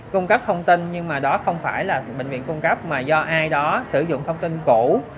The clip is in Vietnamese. cung cấp thông tin nhưng mà đó không phải là bệnh viện cung cấp mà do ai đó sử dụng thông tin cũ